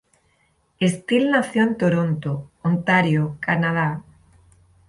Steele nació en Toronto, Ontario, Canadá.